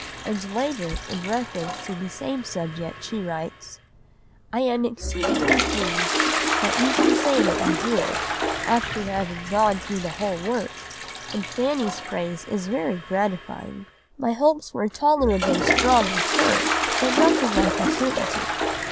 And later, in reference to the same subject, she writes— "I am exceedingly pleased that you can say what you do, after having gone through the whole work, and Fanny's praise is very gratifying. My hopes were tolerably strong of her, but nothing like a certainty.